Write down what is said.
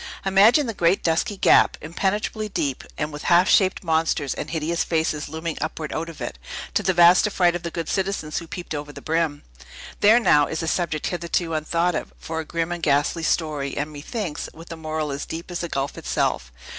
Imagine the great, dusky gap, impenetrably deep, and with half shaped monsters and hideous faces looming upward out of it, to the vast affright of the good citizens who peeped over the brim! There, now, is a subject, hitherto unthought of, for a grim and ghastly story, and, methinks, with a moral as deep as the gulf itself.